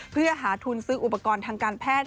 เพื่อหาทุนซื้ออุปกรณ์ทางการแพทย์